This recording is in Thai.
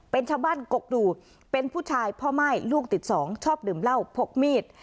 เป็นชาวบ้านกกดูเป็นผู้ชายพ่อม่ายลูกติดสองชอบดื่มเหล้าพกมีด